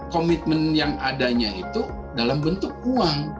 komitmen yang adanya itu dalam bentuk uang